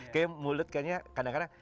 kayaknya mulut kayaknya kadang kadang